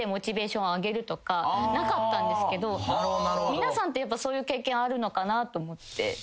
皆さんってそういう経験あるのかなと思って。